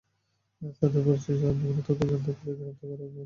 তাঁদের পরিচয়সহ বিভিন্ন তথ্য জানতে গ্রেপ্তার করা ব্যক্তিদের জিজ্ঞাসাবাদ করা হচ্ছে।